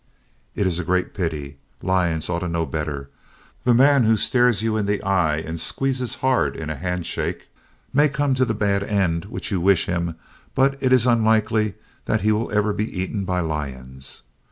It is a great pity. Lions ought to know better. The man who stares you in the eye and squeezes hard in a handshake may come to the bad end which you wish him, but it is unlikely that he will ever be eaten by lions.